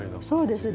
そうです。